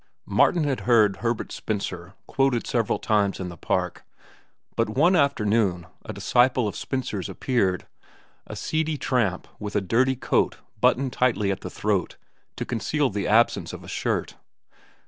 Martin had heard Herbert Spencer quoted several times in the park, but one afternoon a disciple of Spencer's appeared, a seedy tramp with a dirty coat buttoned tightly at the throat to conceal the absence of a shirt.